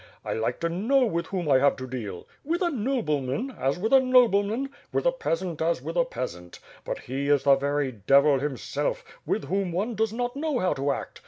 I like to know with whom I have to deal. With a nobleman, as with a noble man; with a peasant, as with a peasant; but he is the very devil himself, with whom one does not know how to act.